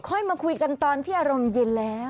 มาคุยกันตอนที่อารมณ์เย็นแล้ว